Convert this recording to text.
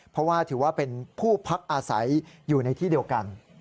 เพราะว่าถือว่าเป็นผู้พักอาศัยอยู่ในที่เดียวกัน